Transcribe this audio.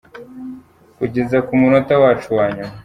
Kugeza ku munota wacu wa nyuma.